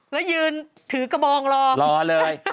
แล้วยืนถือกระบองรอรอเลย